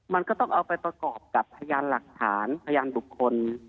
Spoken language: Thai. มันก็ต้องเอาไปประกอบกับพยานหลักฐานพยานบุคคล